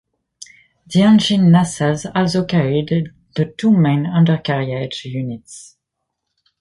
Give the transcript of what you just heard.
The engine nacelles also carried the two main undercarriage units.